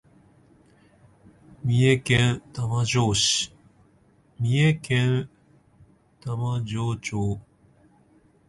三重県玉城町